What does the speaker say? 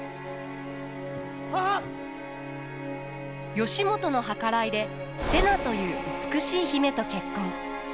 義元の計らいで瀬名という美しい姫と結婚。